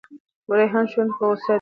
ریحان شونډو په غوسه دی.